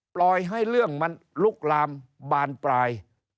ปล่อยให้เรื่องมันลุกลามบานปลาย